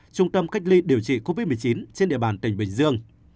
trung tâm cách ly điều trị covid một mươi chín trên địa bàn tỉnh bình dương